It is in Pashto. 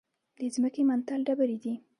د ځمکې منتل ډبرې دي.